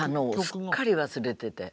すっかり忘れてて。